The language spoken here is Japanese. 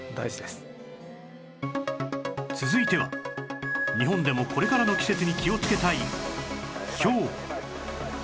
続いては日本でもこれからの季節に気をつけたいひょう